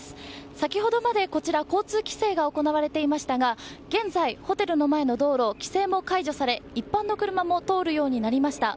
先ほどまで交通規制が行われていましたが現在、ホテルの前の道路規制も解除され一般の車も通るようになりました。